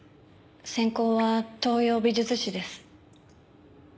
専攻は東洋美術史です。